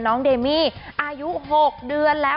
น้องเดมี่อายุ๖เดือนแล้ว